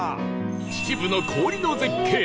秩父の氷の絶景